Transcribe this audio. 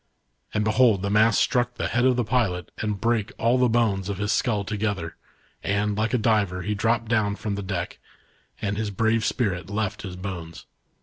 And behold the mast struck the head of the pilot and brake all the bones of his skull together, and, like a diver he dropped down from the deck, and his brave spirit left his bones.